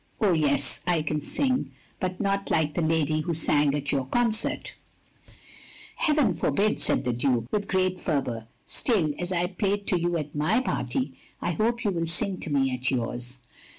"Oh, yes, I can sing; but not like the lady who sang at your concert. " 202 THE LONELY LADY "Heaven forbid, said the Diike, with great fervotir. " Still, as I played to you at my party, I hope you will sing to me at yours.